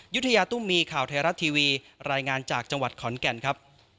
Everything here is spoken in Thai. ยุธยาตุ้มมีข่าวไทยรัฐทีวีรายงานจากจังหวัดขอนแก่นครับ